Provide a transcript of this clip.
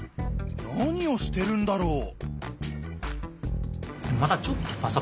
何をしてるんだろう？